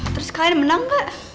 terus kalian menang gak